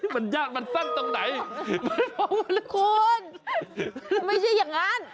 มันยากมันสั้นตรงไหนคุณไม่ใช่อย่างนั้น